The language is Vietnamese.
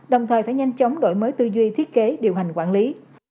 đồng thời phải nhanh chóng đổi mới tư duy thiết kế điều hành quản lý